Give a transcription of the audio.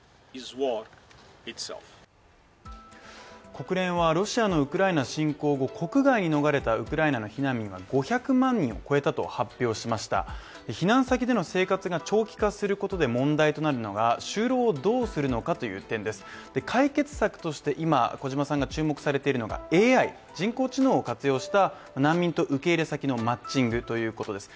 国連はロシアのウクライナ侵攻後国外に逃れたウクライナの避難民が５００万人を超えたと発表しました避難先での生活が長期化することで問題となるのが就労をどうするのかという点です解決策として今、小島さんが注目されているのが、ＡＩ、人工知能を活用した難民受け入れ先のマッチングということです